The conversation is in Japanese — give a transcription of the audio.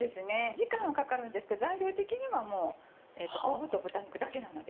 時間はかかるんですけど材料的にはもう昆布と豚肉だけなので。